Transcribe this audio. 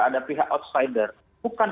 ada pihak outsider bukan